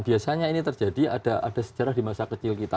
biasanya ini terjadi ada sejarah di masa kecil kita